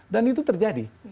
dan itu terjadi